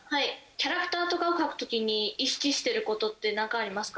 キャラクターとかを描くときに意識してることって何かありますか？